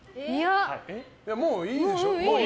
もういいでしょ。